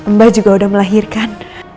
mbak juga udah melahirkan